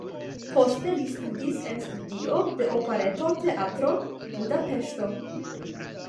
Poste li studis en studio de Operetoteatro (Budapeŝto).